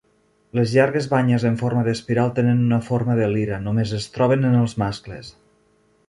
Les llargues banyes en forma d'espiral tenen una forma de lira, només es troben en els mascles.